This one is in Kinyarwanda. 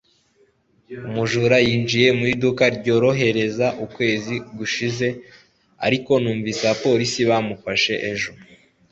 Umujura yinjiye mu iduka ryorohereza ukwezi gushize ariko numvise abapolisi bamufashe ejo